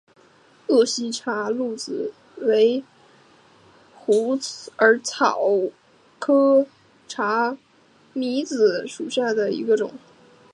鄂西茶藨子为虎耳草科茶藨子属下的一个种。